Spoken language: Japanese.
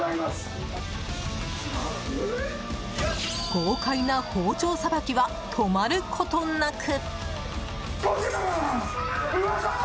豪快な包丁さばきは止まることなく。